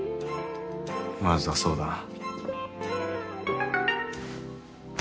まずはそうだな。